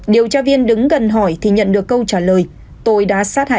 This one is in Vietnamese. điều tra viên đứng gần hỏi thì nhận được câu trả lời tôi đã sát hại cô ấy